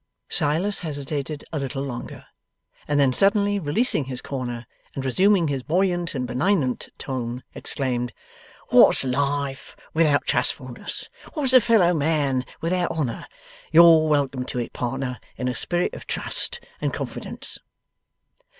Silas hesitated a little longer, and then suddenly releasing his corner, and resuming his buoyant and benignant tone, exclaimed, 'What's life without trustfulness! What's a fellow man without honour! You're welcome to it, partner, in a spirit of trust and confidence.